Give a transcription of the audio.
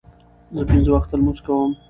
زه پنځه وخته لمونځ کوم.